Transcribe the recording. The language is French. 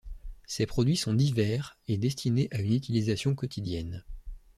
Ses produits sont divers et destinés à une utilisation quotidienne.